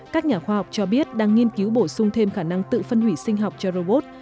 các nhà khoa học cho biết đang nghiên cứu bổ sung thêm khả năng tự phân hủy sinh học cho robot